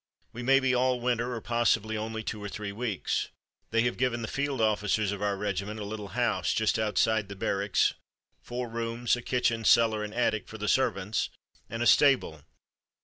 We may be all winter or possibly only two or three weeks. They have given the field officers of our regiment a little house just outside the Barracks, four rooms, a kitchen, cellar, and attic for the servants, and a stable.